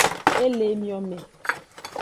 E le emiome.